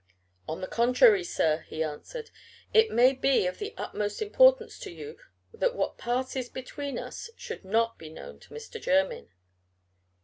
"On the contrary, sir," he answered, "it may be of the utmost importance to you that what passes between us should not be known to Mr. Jermyn."